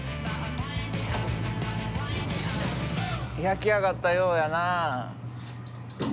焼き上がったようやな。